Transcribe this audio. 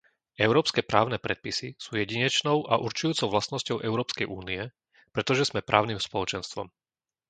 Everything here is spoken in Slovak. Európske právne predpisy sú jedinečnou a určujúcou vlastnosťou Európskej únie, pretože sme právnym spoločenstvom.